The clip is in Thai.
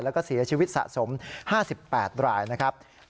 แล้วก็เสียชีวิตสะสม๕๘รายนะครับ